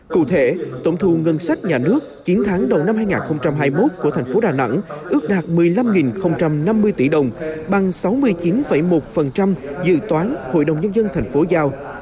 cụ thể tổng thù ngân sách nhà nước chiến thắng đầu năm hai nghìn hai mươi một của tp đà nẵng ước đạt một mươi năm năm mươi tỷ đồng bằng sáu mươi chín một dự toán hội đồng nhân dân tp giao